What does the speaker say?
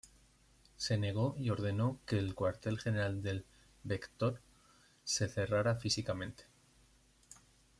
Se negó y ordenó que el cuartel general del Vector se cerrara físicamente.